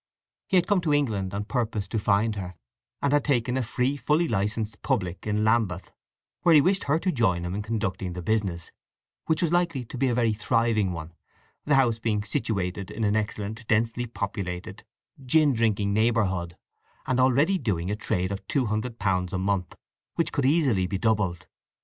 He had come to England on purpose to find her; and had taken a free, fully licensed public, in Lambeth, where he wished her to join him in conducting the business, which was likely to be a very thriving one, the house being situated in an excellent, densely populated, gin drinking neighbourhood, and already doing a trade of £200 a month, which could be easily doubled.